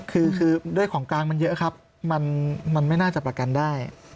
คือด้วยของกลางมันเยอะครับมันไม่น่าจะประกันได้